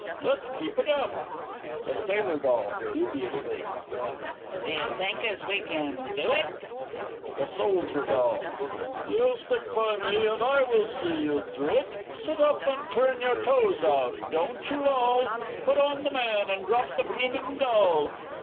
Let's keep it up! The Sailor D. (dubiously.) D'ye think as we can do it? The Soldier D. You stick by me, and I will see you through it. Sit up, and turn your toes out, don't you loll; Put on the Man, and drop the bloomin' Doll!